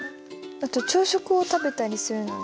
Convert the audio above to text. あと朝食を食べたりするので。